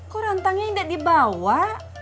kok rantangnya gak dibawa